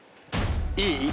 いい？